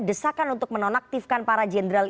desakan untuk menonaktifkan para jenderal